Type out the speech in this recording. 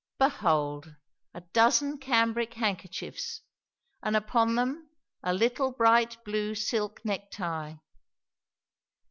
Behold, a dozen cambrick handkerchiefs, and upon them a little bright blue silk neck tie.